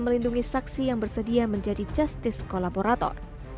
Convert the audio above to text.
melindungi saksi yang bersedia menjadi justice kolaborator